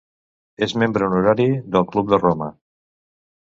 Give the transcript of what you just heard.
És membre honorari del Club de Roma.